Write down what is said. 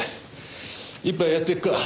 一杯やっていくか？